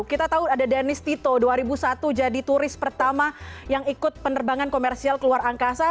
kita tahu ada dennis tito dua ribu satu jadi turis pertama yang ikut penerbangan komersial keluar angkasa